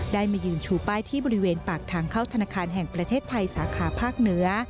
มายืนชูป้ายที่บริเวณปากทางเข้าธนาคารแห่งประเทศไทยสาขาภาคเหนือ